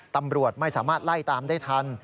ตำรวจไม่สามารถไล่ตามได้ทัน